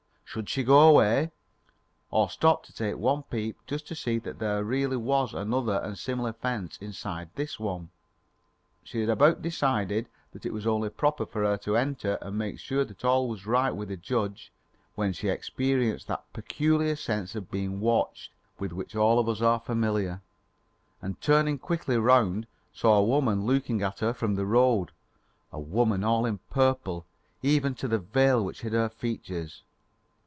Should she go away, or stop and take one peep just to see that there really was another and similar fence inside of this one? She had about decided that it was only proper for her to enter and make sure that all was right with the judge, when she experienced that peculiar sense of being watched with which all of us are familiar, and turning quickly round, saw a woman looking at her from the road, a woman all in purple even to the veil which hid her features.